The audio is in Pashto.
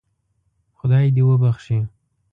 خدای دې وبخښي.